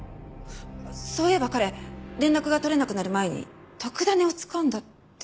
そういえば彼連絡が取れなくなる前に「特ダネをつかんだ」って。